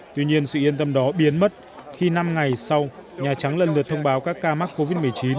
tuy nhiên sự yên tâm đó biến mất khi năm ngày sau nhà trắng lần lượt thông báo các ca mắc covid một mươi chín